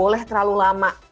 boleh terlalu lama